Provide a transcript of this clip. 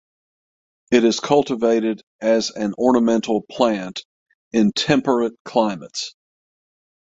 It is cultivated as an ornamental plant in temperate climates.